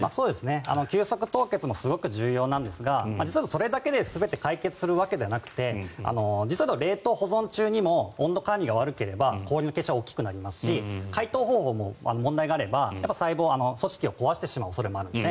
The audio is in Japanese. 急速凍結もすごく大事なんですが実をいうと、それだけで全て解決するわけではなくて実は冷凍保存中にも温度管理が悪ければ氷の結晶は大きくなりますし解凍方法も問題があれば細胞、組織を壊してしまう恐れもあるんですね。